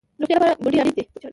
د روغتیا لپاره بوټي اړین دي